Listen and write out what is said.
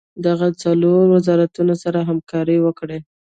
دغه څلور وزارتونه سره همکاري وکړي.